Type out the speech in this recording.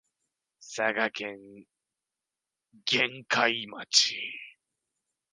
佐賀県玄海町